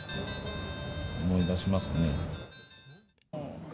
思い出しますね。